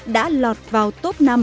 đã lọt vào top năm